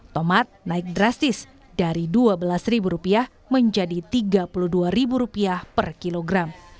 tomat naik drastis dari rp dua belas menjadi rp tiga puluh dua per kilogram